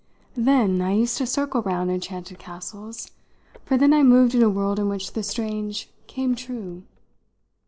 Then I used to circle round enchanted castles, for then I moved in a world in which the strange "came true."